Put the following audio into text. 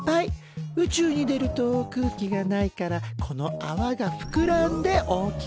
宇宙に出ると空気がないからこのあわがふくらんで大きくなるのね。